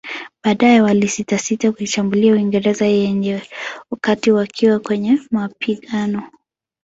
Baadae walisitasita kuishambulia Uingereza yenyewe wakati wakiwa kwenye mapigano